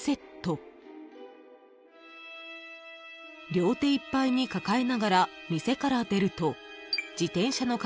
［両手いっぱいに抱えながら店から出ると］